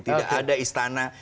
tidak ada istana